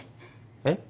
えっ？